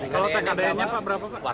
kalau tkdn nya berapa